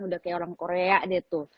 udah kayak orang korea deh tuh